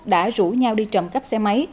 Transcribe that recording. đã rủ nhau đi trầm cắp xe máy